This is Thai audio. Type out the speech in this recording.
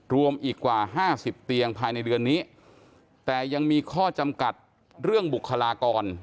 รวมอีกกว่าห้าสิบเตียงภายในเดือนนี้แต่ยังมีข้อจำกัดเรื่องบุคลากร